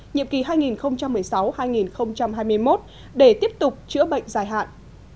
nhiệm kỳ hai nghìn một mươi sáu hai nghìn hai mươi một để tiếp tục chữa bệnh dài hạn